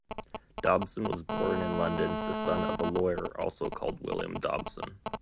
Dobson was born in London, the son of a lawyer also called William Dobson.